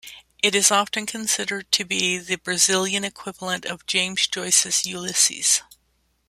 It is often considered to be the Brazilian equivalent of James Joyce's "Ulysses".